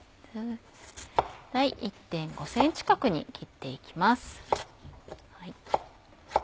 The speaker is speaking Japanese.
１．５ｃｍ角に切っていきます。